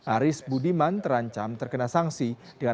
aris budiman terancam terkena sanksi